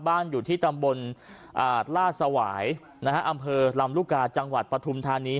บ้านอยู่ที่ตำบลล่าสวายอำเภอลำลูกกาจังหวัดปฐุมธานี